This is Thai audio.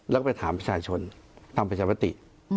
แล้วก็ไปถามประชาชนตามประชามติ